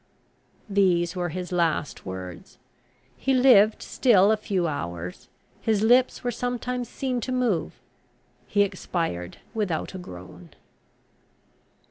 These were his last words. He lived still a few hours; his lips were sometimes seen to move; he expired without a groan.